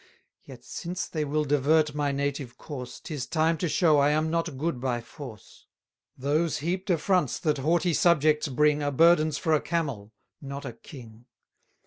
Yet, since they will divert my native course, 'Tis time to show I am not good by force. 950 Those heap'd affronts that haughty subjects bring, Are burdens for a camel, not a king.